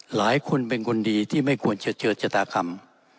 หลายคนเป็นคนดีที่ไม่ควรจะเจอชะตาคำ